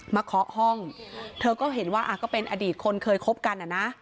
เคาะห้องเธอก็เห็นว่าก็เป็นอดีตคนเคยคบกันอ่ะนะ